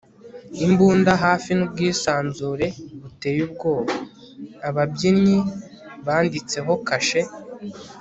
imbunda hafi nubwisanzure buteye ubwoba. ababyinnyi banditseho kashe